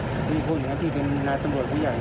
มีคนอีกครับที่เป็นนักจังหวัดพิเศษ